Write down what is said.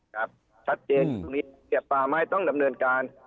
ครับชัดเจนพรุ่งนี้เก็บป่าไม้ต้องดำเนินการ